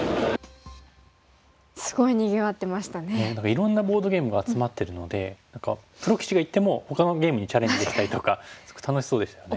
いろんなボードゲームが集まってるので何かプロ棋士が行ってもほかのゲームにチャレンジできたりとかすごく楽しそうでしたよね。